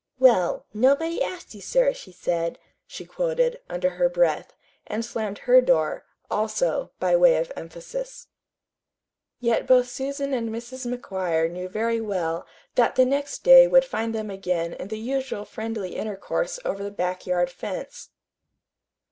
"Well, 'nobody asked you, sir, she said,'" she quoted, under her breath, and slammed her door, also, by way of emphasis. Yet both Susan and Mrs. McGuire knew very well that the next day would find them again in the usual friendly intercourse over the back yard fence.